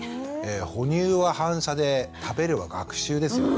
哺乳は反射で食べるは学習ですよね。